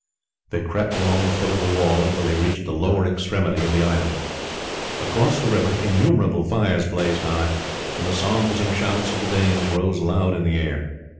They crept along the foot of the wall until they reached the lower extremity of the island. Across the river innumerable fires blazed high, and the songs and shouts of the Danes rose loud in the air.